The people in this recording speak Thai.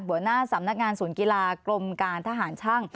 หัวหน้าสำนักงานศูนย์กีฬากรมการทหารช่าง